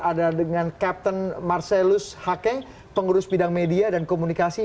ada dengan captain marcelus hake pengurus bidang media dan komunikasi